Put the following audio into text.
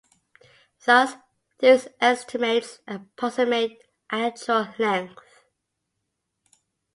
Thus, these estimates approximate actual lengths.